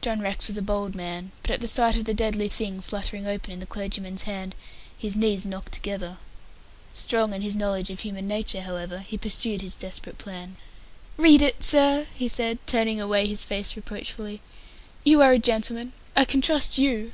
John Rex was a bold man, but at the sight of the deadly thing fluttering open in the clergyman's hand, his knees knocked together. Strong in his knowledge of human nature, however, he pursued his desperate plan. "Read it, sir," he said turning away his face reproachfully. "You are a gentleman. I can trust you."